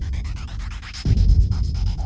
ตอนที่สุดมันกลายเป็นสิ่งที่ไม่มีความคิดว่า